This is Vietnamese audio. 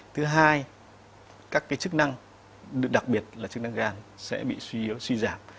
thứ hai các chức năng đặc biệt là chức năng gan sẽ bị suy yếu suy giảm